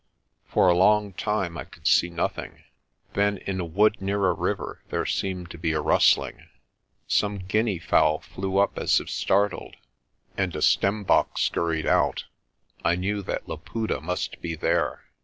For a long time I could see nothing. Then in a wood near a ARCOLL'S SHEPHERDING 229 river there seemed to be a rustling. Some guinea fowl flew up as if startled, and a stembok scurried out. I knew that Laputa must be there.